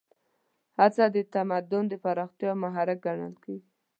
هڅه د تمدن د پراختیا محرک ګڼل کېږي.